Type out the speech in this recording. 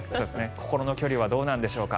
心の距離はどうなんでしょうか。